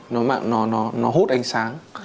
nó hút ánh sáng